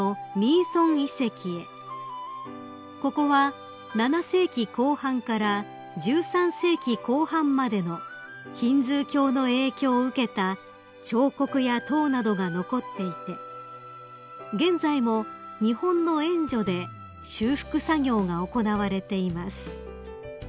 ［ここは７世紀後半から１３世紀後半までのヒンズー教の影響を受けた彫刻や塔などが残っていて現在も日本の援助で修復作業が行われています］